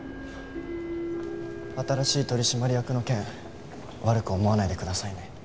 新しい取締役の件悪く思わないでくださいね。